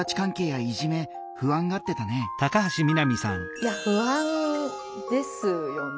いや不安ですよね。